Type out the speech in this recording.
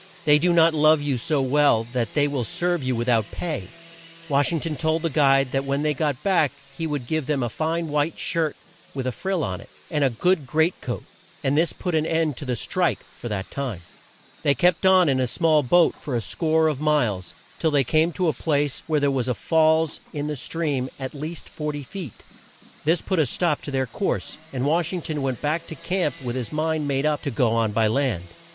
They do not love you so well that they will serve you with out pay." Wash ing ton told the guide that when they got back he would give him a fine white shirt with a frill on it, and a good great coat, and this put an end to the "strike" for that time. They kept on in the small boat for a score of miles, till they came to a place where there was a falls in the stream at least 40 feet. This put a stop to their course, and Wash ing ton went back to camp with his mind made up to go on by land.